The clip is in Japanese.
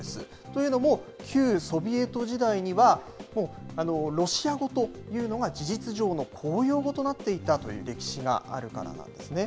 というのも、旧ソビエト時代には、ロシア語というのが事実上の公用語となっていたという歴史があるからなんですね。